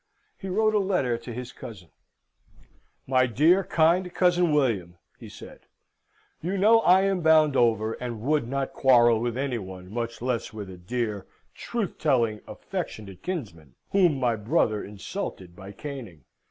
He wrote a letter to his cousin: "My dear, kind cousin William," he said, "you know I am bound over, and would not quarrel with any one, much less with a dear, truth telling, affectionate kinsman, whom my brother insulted by caning.